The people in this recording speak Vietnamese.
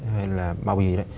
hay là bao bì